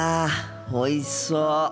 おいしそう。